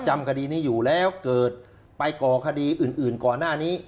จำคดีนี้อยู่แล้วเกิดไปก่อคดีอื่นก่อนหน้านี้